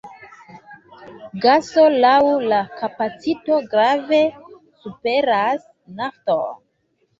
Gaso laŭ la kapacito grave superas nafton.